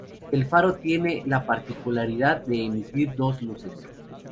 El faro tiene la particularidad de emitir dos luces.